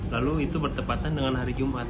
lalu itu bertepatan dengan hari jumat